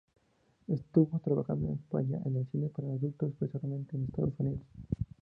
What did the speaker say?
Estuvo trabajando en España en el cine para adultos y posteriormente en Estados Unidos.